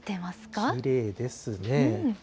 きれいですね。